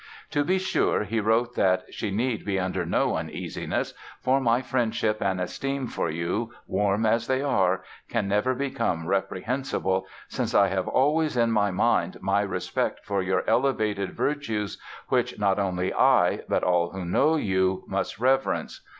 To be sure, he wrote that "she need be under no uneasiness ... for my friendship and esteem for you (warm as they are) can never become reprehensible since I have always in my mind my respect for your elevated virtues, which not only I, but all who know you must reverence....